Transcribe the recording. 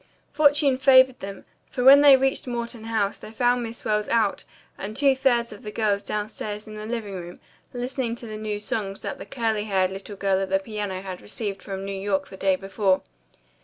Fortune favored them, for when they reached Morton House they found Miss Wells out and two thirds of the girls downstairs in the living room listening to the new songs that the curly haired little girl at the piano had received from New York the day before.